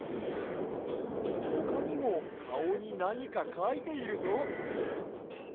ほかにもかおになにかかいているぞ。